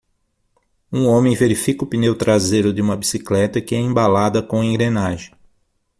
Um homem verifica o pneu traseiro de uma bicicleta que é embalada com engrenagem.